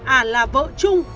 ả là vợ chung